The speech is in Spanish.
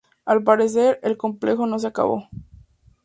Al parecer, el complejo no se acabó.